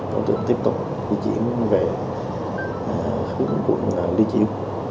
đối tượng tiếp tục di chuyển về khu vực quận ly chiếu